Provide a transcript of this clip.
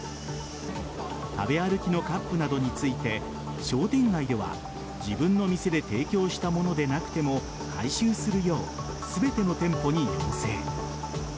食べ歩きのカップなどについて商店街では、自分の店で提供したものでなくても回収するよう、全ての店舗に要請。